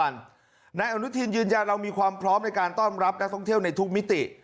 นายอนุทินยืนยันเรามีความพร้อมในการต้อนรับนักท่องเที่ยวในทุกมิติ